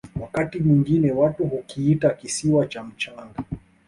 wakati mwingine watu hukiita kisiwa cha mchanga